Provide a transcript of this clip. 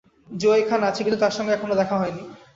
জো এখানে আছে, কিন্তু তার সঙ্গে এখনও দেখা হয়নি।